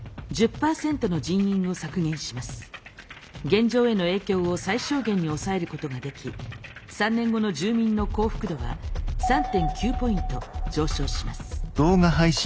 現状への影響を最小限に抑えることができ３年後の住民の幸福度は３．９ポイント上昇します。